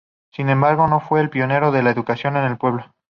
Sin embargo, no fue el pionero de la educación en el pueblo.